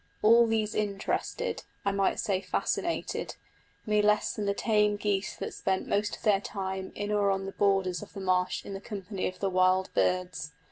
All these interested, I might say fascinated, me less than the tame geese that spent most of their time in or on the borders of the marsh in the company of the wild birds.